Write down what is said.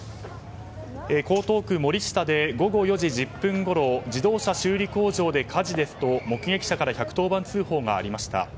江東区森下で午後４時１０分ごろ自動車修理工場で火事ですと目撃者から１１９番通報がありました。